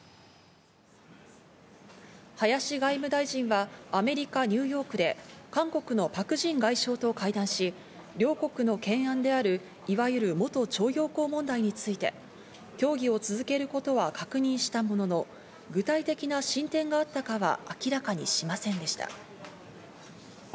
林外務大臣はアメリカ・ニューヨークで韓国のパク・ジン外相と会談し、両国の懸案である、いわゆる元徴用工問題について、協議を続けることは確認したものの、具体的な進展があったかは明らかにしませんでした。